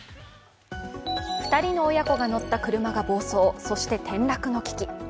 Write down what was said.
２人の親子が乗った車が暴走、そして転落の危機。